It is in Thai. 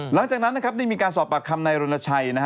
หลังจากนั้นนะครับได้มีการสอบปากคำนายรณชัยนะฮะ